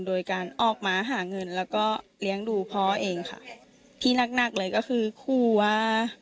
โดยการออกมาหาเงินแล้วก็เลี้ยงดูพ่อเองค่ะที่หนักหนักเลยก็คือคู่ว่า